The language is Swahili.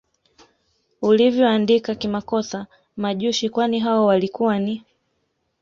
ulivyoandika kimakosa Majushi kwani hao walikuwa ni